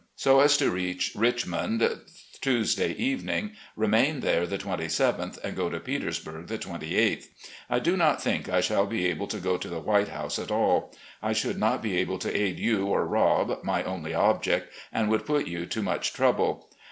so as to reach Richmond Tuesday evening, remain there the 27th and go to Petersburg the 28th. I do not think I shall be able to go to the White House at all. I should not be able to aid you or Rob, my only object, and would put you to much trouble.